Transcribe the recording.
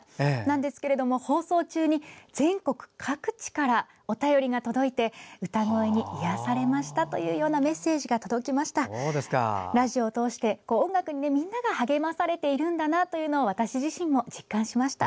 ですが、放送中に全国各地からお便りが届いて歌声に癒やされましたというメッセージが届きました。